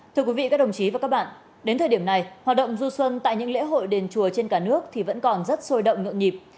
thưa quý vị các đồng chí và các bạn đến thời điểm này hoạt động du xuân tại những lễ hội đền chùa trên cả nước thì vẫn còn rất sôi động nhộn nhịp